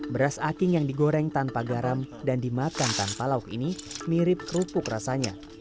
beras aking yang digoreng tanpa garam dan dimakan tanpa lauk ini mirip kerupuk rasanya